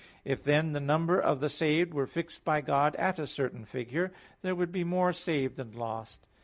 If, then, the number of the saved were fixed by God at a certain figure, there would be more saved than lost.